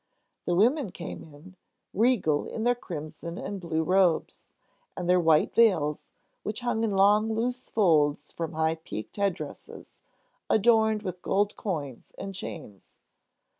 The women came in, regal, in their crimson and blue robes, and their white veils, which hung in long, loose folds from high peaked head dresses, adorned with gold coins and chains.